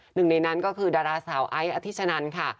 หนึ่งในนั้นก็คือดาราสาวไอซ์อธิชนันค่ะ